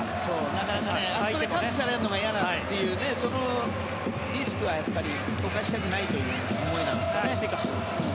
なかなかあそこでカットされるのが嫌だというそのリスクは冒したくないという思いなんですかね。